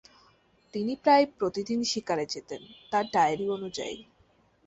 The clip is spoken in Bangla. তিনি প্রায় প্রতিদিন শিকারে যেতেন, তার ডায়েরি অনুযায়ী।